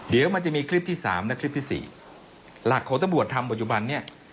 เดี๋ยวมันจะมีคลิปที่๓และคลิปที่๔หลักของตำรวจทำปัจจุบันนี้